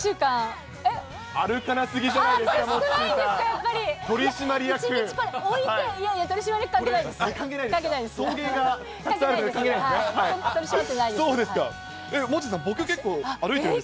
あるかなすぎじゃないですか、モッチーさん。